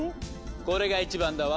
これが一番だわ。